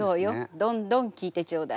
どんどん聞いてちょうだい。